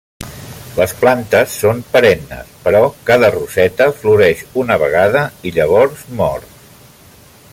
Les plantes són perennes, però cada roseta floreix una vegada i llavors mor.